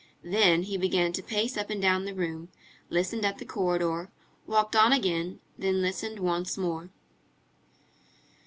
Then he began to pace up and down the room, listened at the corridor, walked on again, then listened once more.